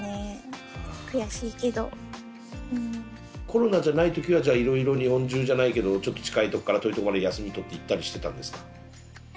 コロナじゃない時はじゃあいろいろ日本中じゃないけどちょっと近いとこから遠いとこまで休み取って行ったりしてたんですか？